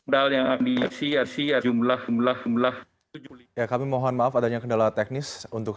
dal yang agresi asli jumlah jumlah jumlah tujuh mohon maaf adanya kendala teknis untuk